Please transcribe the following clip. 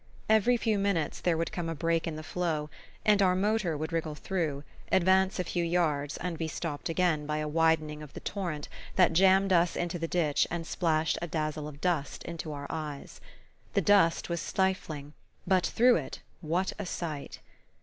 Every few minutes there would come a break in the flow, and our motor would wriggle through, advance a few yards, and be stopped again by a widening of the torrent that jammed us into the ditch and splashed a dazzle of dust into our eyes. The dust was stifling but through it, what a sight!